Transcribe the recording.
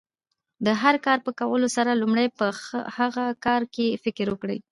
د هر کار په کولو سره، لومړی په هغه کار کښي فکر وکړئ!